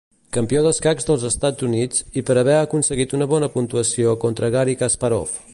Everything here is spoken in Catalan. Campió d'escacs dels Estats Units, i per haver aconseguit una bona puntuació contra Garry Kasparov.